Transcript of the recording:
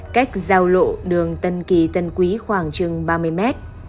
cách giao lộ đường tân kỳ tân quý khoảng chừng ba mươi mét